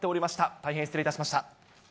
大変失礼いたしました。